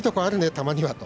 たまにはと。